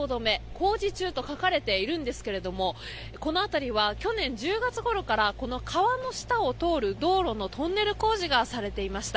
工事中と書かれているんですけれどもこの辺りは去年１０月ごろから川の下を通る道路のトンネル工事がされていました。